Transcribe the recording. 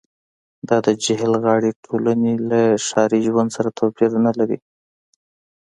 دا د جهیل غاړې ټولنې له ښاري ژوند سره توپیر نلري